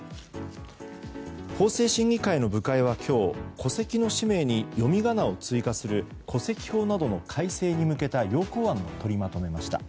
法制審議会の部会は今日戸籍の氏名に読み仮名を追加する戸籍法などの改正に向けた要綱案を取りまとめました。